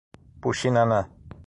Puxinanã